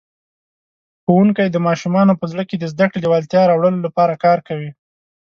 ښوونکی د ماشومانو په زړه کې د زده کړې لېوالتیا راوړلو لپاره کار کوي.